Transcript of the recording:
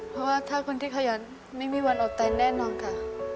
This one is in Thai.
เพราะว่าถ้าคนที่ขยันไม่มีวันออกแตนแน่นอนค่ะ